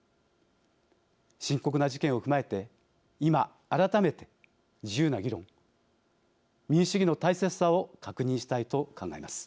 深刻な事件を踏まえて今改めて自由な議論民主主義の大切さを確認したいと考えます。